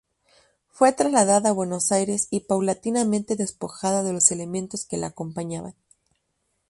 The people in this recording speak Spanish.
Fue trasladada a Buenos Aires y paulatinamente despojada de los elementos que la acompañaban.